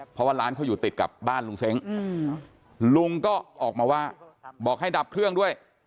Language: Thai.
เพราะว่าร้านเขาอยู่ติดกับบ้านลุงเซ้งลุงก็ออกมาว่าบอกให้ดับเครื่องด้วย